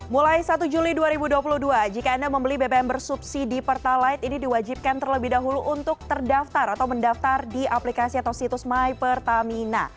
mulai satu juli dua ribu dua puluh dua jika anda membeli bbm bersubsidi pertalite ini diwajibkan terlebih dahulu untuk terdaftar atau mendaftar di aplikasi atau situs my pertamina